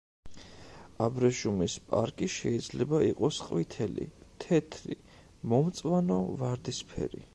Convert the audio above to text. აბრეშუმის პარკი შეიძლება იყოს ყვითელი, თეთრი, მომწვანო, ვარდისფერი.